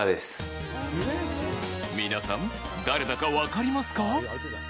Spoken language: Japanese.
皆さん誰だかわかりますか？